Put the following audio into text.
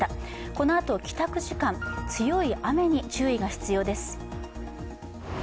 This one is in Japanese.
このあと帰宅時間、強い雨に注意が必要です。